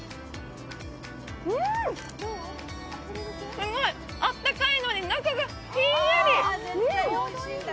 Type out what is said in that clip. すごいあったかいのに、中がひんやり。